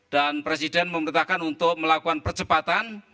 dan presiden memerintahkan untuk melakukan percepatan